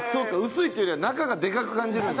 薄いっていうよりは中がでかく感じるんだ？